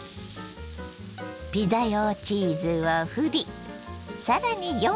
ピザ用チーズをふりさらに４分。